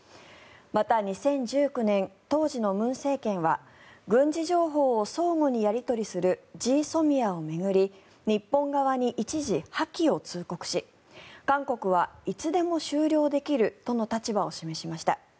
また、２０１９年当時の文政権は軍事情報を相互にやり取りするＧＳＯＭＩＡを巡り日本側に一時、破棄を通告し韓国はいつでも終了できるとの立場を示しました。